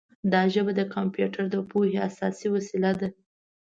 دا ژبه د کمپیوټر د پوهې اساسي وسیله ده.